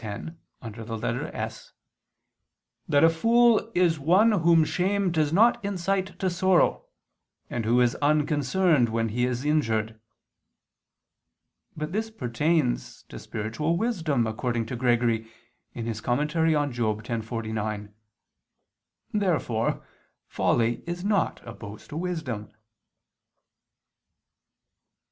x, under the letter S) that "a fool is one whom shame does not incite to sorrow, and who is unconcerned when he is injured." But this pertains to spiritual wisdom, according to Gregory (Moral. x, 49). Therefore folly is not opposed to wisdom.